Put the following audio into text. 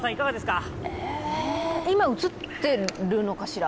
今、映ってるのかしら？